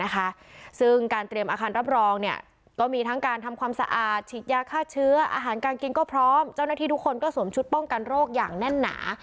จะมีโรคอย่างแน่นหนา